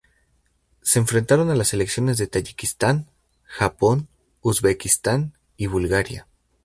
Se enfrentaron a las selecciones de Tayikistán, Japón, Uzbekistán y Bulgaria.